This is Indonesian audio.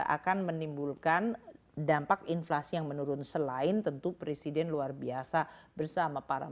akan menimbulkan dampak inflasi yang menurun selain tentu presiden luar biasa bersama para